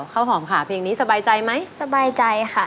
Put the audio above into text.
ข้าวหอมค่ะเพลงนี้สบายใจไหมสบายใจค่ะ